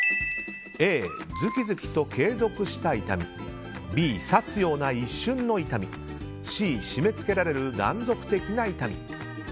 Ａ、ズキズキと継続した痛みＢ、刺すような一瞬の痛みＣ、締め付けられる断続的な痛み。